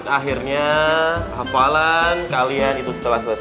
akhirnya hafalan kalian itu telah selesai